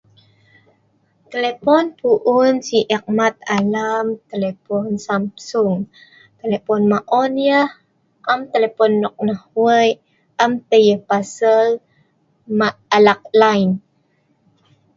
Telepon pu’un sik e’ek met alem telepon Samsung telepon maon yeh am telepon nok neh weik am teh yeh pasal met alak line